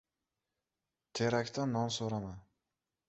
• Terakdan non so‘rama.